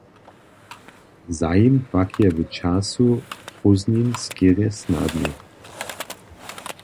Zajim pak je w času prózdnin skerje snadny.